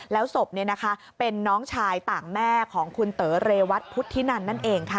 แล้วศพเป็นน้องชายต่างแม่ของคุณเต๋อเรวัตพุทธินันนั่นเองค่ะ